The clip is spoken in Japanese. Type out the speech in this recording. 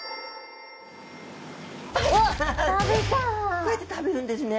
こうやって食べるんですね。